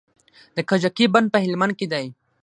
د کجکي بند په هلمند کې دی